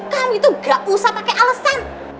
kamu itu gak usah pake alesan